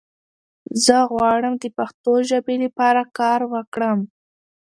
زۀ غواړم د پښتو ژبې لپاره کار وکړم!